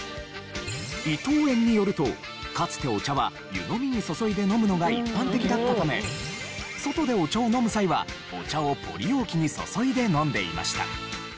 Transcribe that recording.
伊藤園によるとかつてお茶は湯飲みに注いで飲むのが一般的だったため外でお茶を飲む際はお茶をポリ容器に注いで飲んでいました。